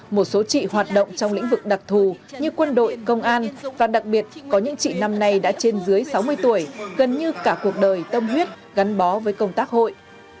một số chị hoạt động trong lĩnh vực đặc thù như quân đội công an và đặc biệt có những chị năm nay đã trên dưới sáu mươi tuổi gần như cả cuộc đời tâm huyết gắn bó với công tác hội